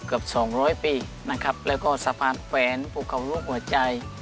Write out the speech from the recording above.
เกือบสองร้อยปีนะครับแล้วก็สะพานแขวนภูเขาลูกหัวใจ